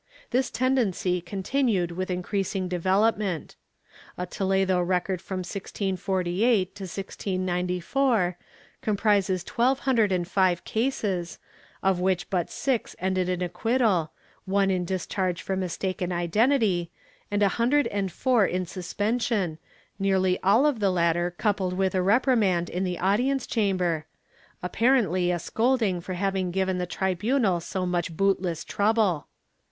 ^ This tendency con tinued with increasing development. A Toledo record from 1648 to 1694, comprises twelve hundred and five cases, of which but six ended in acquittal, one in discharge for mistaken identity, and a hundred and four in suspension, nearly all of the latter coupled with a reprimand in the audience chamber — apparently a scolding for having given the tribunal so much bootless trouble.